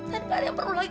dan gak ada yang perlu lagi